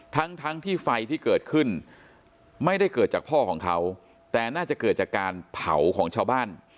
ทั้งทั้งที่ไฟที่เกิดขึ้นไม่ได้เกิดจากพ่อของเขาแต่น่าจะเกิดจากการเผาของชาวบ้าน